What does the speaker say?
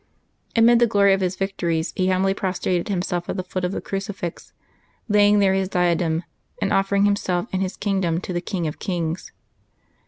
Amid the glory of his victories he humbly prostrated himself at the foot of the crucifix, lay ing there his diadem, and offering himself and his king dom to the King of kings.